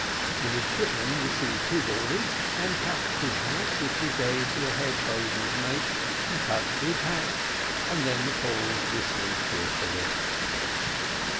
The midshipman received his orders, and touched his hat, which he gave to the head boatswain's mate, who touched his hat, and then the calls whistled cheerily.